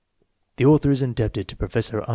The author is indebted to Professor R.